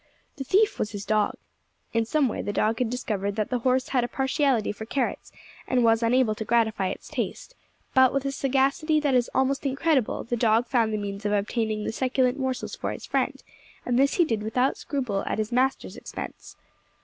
The thief was his dog. In some way the dog had discovered that the horse had a partiality for carrots, and was unable to gratify its taste; but with a sagacity that is almost incredible, the dog found the means of obtaining the succulent morsels for his friend, and this he did without scruple at his master's expense.